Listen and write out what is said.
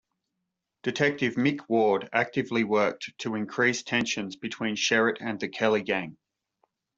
Detective Mick Ward actively worked to increase tensions between Sherritt and the Kelly Gang.